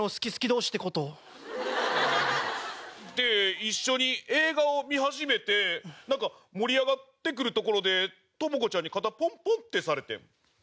で一緒に映画を見始めてなんか盛り上がってくるところでトモコちゃんに肩ポンポンってされて。